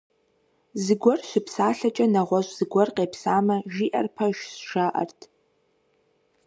Зыгуэр щыпсалъэкӏэ нэгъуэщӀ зыгуэр къепсамэ, жиӀэр пэжщ, жаӀэрт.